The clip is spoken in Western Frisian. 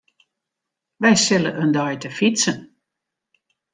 Wy sille in dei te fytsen.